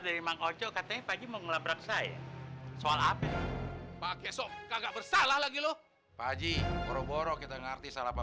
khusus ini cuma kalau kau ustaz ke facebook suara vulgar orang dina yoush yg nemporo kita ngerti salah apa benar ke datangan datang pleasant vetel juga